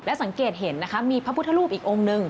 สังเกตเห็นนะคะมีพระพุทธรูปอีกองค์หนึ่ง